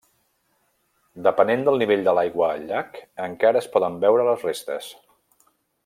Depenent del nivell de l'aigua al llac, encara es poden veure les restes.